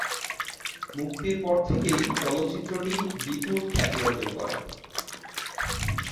মুক্তির পর থেকেই চলচ্চিত্রটি বিপুল খ্যাতি অর্জন করে।